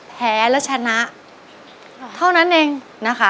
แพ้และชนะเท่านั้นเองนะคะ